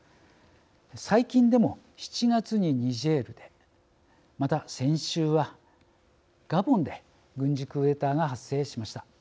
最近でも７月に、ニジェールでまた先週はガボンで軍事クーデターが発生しました。